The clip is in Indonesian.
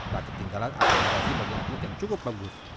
tak ketinggalan apresiasi bagi atlet yang cukup bagus